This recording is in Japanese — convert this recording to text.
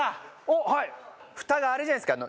フタがあれじゃないですか？